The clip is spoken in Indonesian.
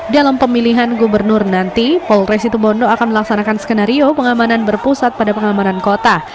dalam pemilihan gubernur nanti polres situbondo akan melaksanakan skenario pengamanan berpusat pada pengamanan kota